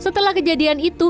setelah kejadian itu